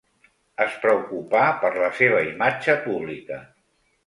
Es preocupà per la seva imatge pública.